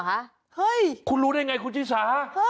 เฮ้ยคุณรู้ได้ไงคุณชิสา